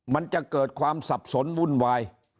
มันจะเกิดความสับสนวุ่นวาย